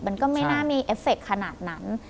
มันก็ไม่น่ามีเอฟเฟคขนาดนั้น